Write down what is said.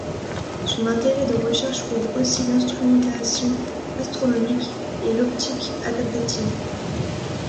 Son intérêt de recherche couvre aussi l'instrumentation astronomique et l'optique adaptative.